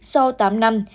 sau tám năm